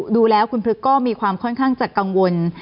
ดูแล้วคุณพลึกก็มีความค่อนข้างจะกังวล